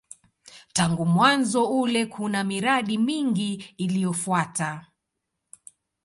Tangu mwanzo ule kuna miradi mingi iliyofuata.